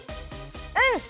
うん！